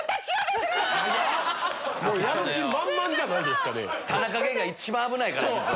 やる気満々じゃないですか。